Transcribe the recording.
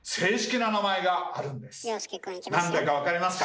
なんだか分かりますか？